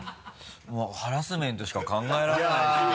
もうハラスメントしか考えられないですけど。